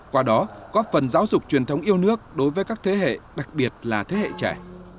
qua đó có phần giáo dục truyền thống yêu nước đối với các thế hệ đặc biệt là thế hệ trẻ